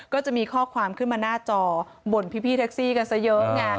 ก็จะมีข้อความขึ้นมาหน้าจบ่นพี่แท็กซี่กันซะเยอะไง